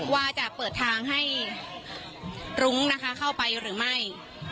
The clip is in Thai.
ว่าจะเปิดทางให้รุ้งนะคะเข้าไปหรือไม่